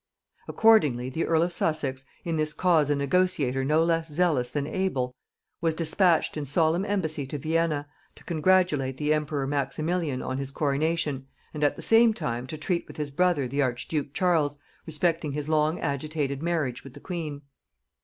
Accordingly the earl of Sussex, in this cause a negotiator no less zealous than able, was dispatched in solemn embassy to Vienna, to congratulate the emperor Maximilian on his coronation, and at the same time to treat with his brother the archduke Charles respecting his long agitated marriage with the queen.